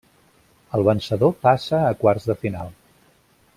El vencedor passa a quarts de final.